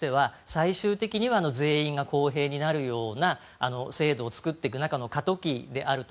最終的には全員が公平になるような制度を作っていく中での過渡期であると。